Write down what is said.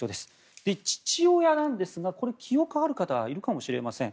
そして、父親なんですが記憶ある方がいるかもしれません。